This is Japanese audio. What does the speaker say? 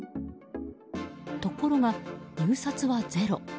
ところが入札はゼロ。